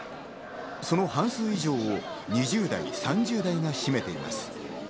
その半数以上を２０代、３０代が占めています。